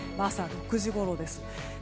朝６時ごろです。